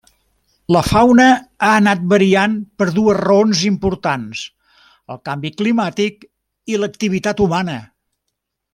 La fauna ha anat variant per dues raons importants: el canvi climàtic i l'activitat humana.